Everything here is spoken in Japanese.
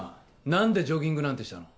何でジョギングなんてしたの？